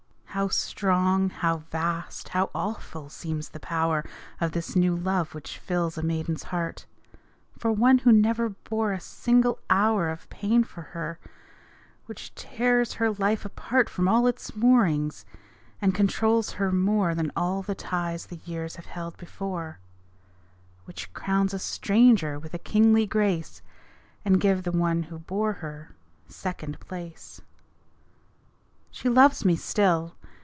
How strong, how vast, how awful seems the power Of this new love which fills a maiden's heart, For one who never bore a single hour Of pain for her; which tears her life apart From all its moorings, and controls her more Than all the ties the years have held before; Which crowns a stranger with a kingly grace And give the one who bore her second place! She loves me still!